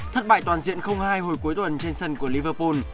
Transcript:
thất bại toàn diện hai hồi cuối tuần trên sân của liverpol